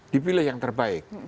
dipilih yang terbaik